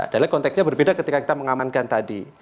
adalah konteksnya berbeda ketika kita mengamankan tadi